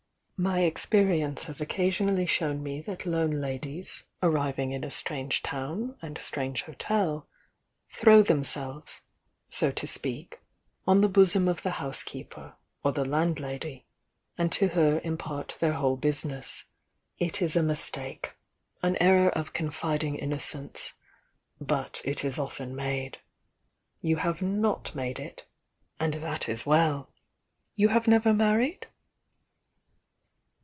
"My experience has occasionally shown me that lone ladies arriving in a strange town and strange hotel, throw themselves, so to speak, on the bosom of the book keeper or the landlady, and to her impart their whole business. It is a mistake! — an error of confiding innocence — but it is often made. You have not made it, — and that is well! You have never married?"